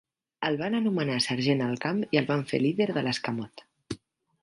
El van anomenar sergent al camp i el van fer líder de l'escamot.